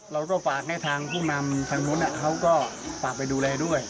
เราก็ฝากให้ทางผู้นำทางนู้นเขาก็ฝากไปดูแลด้วย